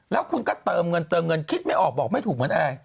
แล้วคุณก็เติมเงินเติมเงินคิดไม่ออกบอกไม่ถูกเหมือนอะไร